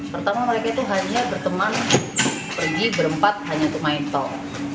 pertama mereka itu hanya berteman pergi berempat hanya untuk main tol